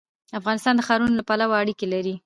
افغانستان د ښارونو له پلوه اړیکې لري.